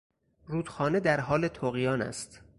رودخانه در حال طغیان است.